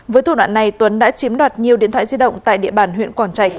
với thủ đoạn này tuấn đã chiếm đoạt nhiều điện thoại di động tại địa bàn huyện quảng trạch